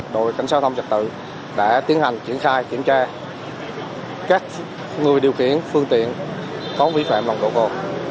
đội cảnh sát giao thông trở tự đã tiến hành triển khai kiểm tra các người điều kiện phương tiện có vĩ phạm nồng độ cồn